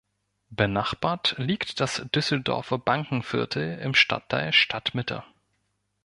Benachbart liegt das Düsseldorfer Bankenviertel im Stadtteil Stadtmitte.